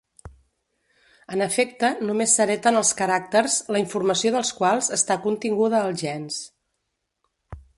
En efecte, només s'hereten els caràcters la informació dels quals està continguda als gens.